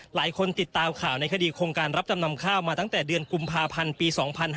ติดตามข่าวในคดีโครงการรับจำนำข้าวมาตั้งแต่เดือนกุมภาพันธ์ปี๒๕๕๙